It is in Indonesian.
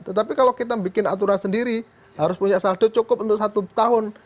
tetapi kalau kita bikin aturan sendiri harus punya saldo cukup untuk satu tahun